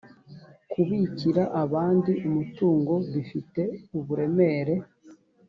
kubikira abandi umutungo bifite uburemere